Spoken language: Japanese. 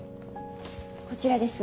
こちらです。